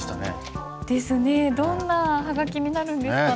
どんなハガキになるんですかね？